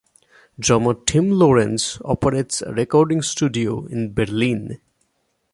Drummer Tim Lorenz operates a recording studio in Berlin.